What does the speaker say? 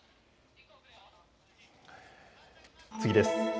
次です。